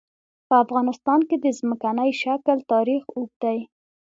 په افغانستان کې د ځمکنی شکل تاریخ اوږد دی.